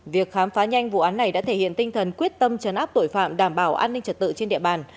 việc khám phá nhanh vụ án này đã thể hiện tinh thần quyết tâm trấn áp tội phạm đảm bảo an ninh trật tự trên địa bàn